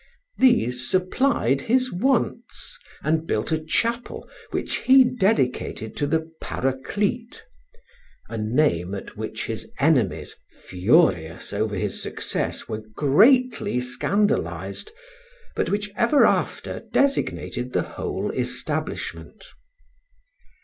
These supplied his wants, and built a chapel, which he dedicated to the "Paraclete," a name at which his enemies, furious over his success, were greatly scandalized, but which ever after designated the whole establishment.